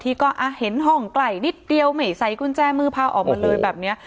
ที่ก็เห็นห้องไกลนิดเดียวไม่ใส่กุญแจมือพาออกมาเลยแบบนี้